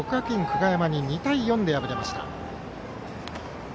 久我山に２対４で敗れました。